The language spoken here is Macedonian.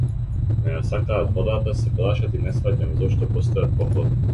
Не ја сакаат водата, се плашат, и не сфаќам зошто постојат походи.